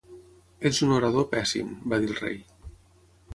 "Ets un orador pèssim", va dir el rei.